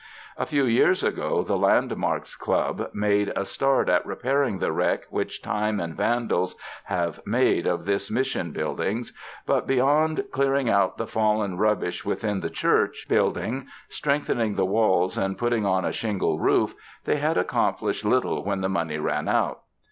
A few years ago, the Landmarks Club made a start at repairing the wreck which time and vandals have made of this Mission's buildings; but, beyond clearing out the fallen rubbish within the church 148 c 3 o Oh o o < s THE FRANCISCAN MISSIONS building, strengthening the walls and putting on a shingle roof, they had accomplished little when the money ran out.